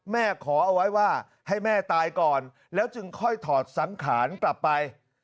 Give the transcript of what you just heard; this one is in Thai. ขอเอาไว้ว่าให้แม่ตายก่อนแล้วจึงค่อยถอดสังขารกลับไป